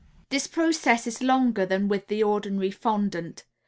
This process is longer than with the ordinary fondant.